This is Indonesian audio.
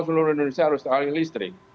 seluruh indonesia harus alih listrik